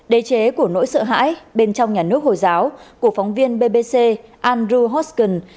đế chế của nỗi sợ hãi bên trong nhà nước hồi giáo của phóng viên bbc andrew hoskin